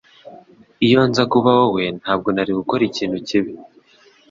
Iyo nza kuba wowe, ntabwo nari gukora ikintu kibi.